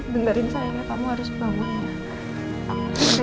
dengarin saya ya kamu harus bangun ya